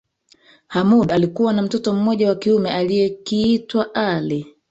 Hamoud alikuwa na mtoto mmoja wa kiume aliyekiitwa Ali